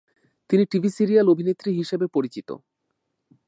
তিনি TV serial অভিনেত্রী হিসাবে পরিচিত।